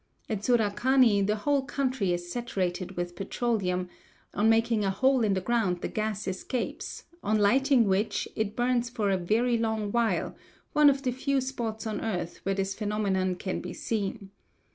At Surakhani the whole country is saturated with petroleum; on making a hole in the ground the gas escapes, on lighting which it burns for a very long while, one of the few spots on earth where this phenomenon can be seen.